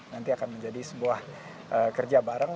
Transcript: nanti akan menjadi sebuah kerja bareng